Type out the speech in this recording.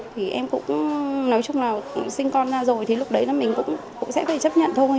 thì em cũng nói chung là sinh con ra rồi thì lúc đấy là mình cũng sẽ phải chấp nhận thôi